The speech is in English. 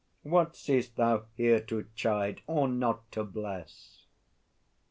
What seest thou here to chide, or not to bless?